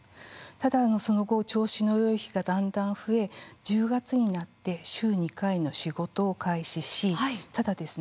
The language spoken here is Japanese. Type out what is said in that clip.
ただその後調子のよい日がだんだん増え１０月になって週２回の仕事を開始しただですね